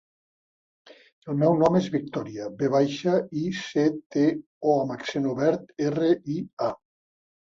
El meu nom és Victòria: ve baixa, i, ce, te, o amb accent obert, erra, i, a.